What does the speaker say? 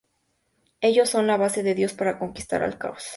Ellos son la base de Dios para conquistar el caos.